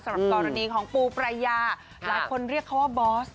สำหรับกรณีของปูปรายาหลายคนเรียกเขาว่าบอส